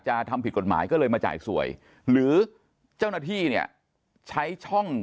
ทำผิดกฎหมายก็เลยมาจ่ายสวยหรือเจ้าหน้าที่เนี่ยใช้ช่อง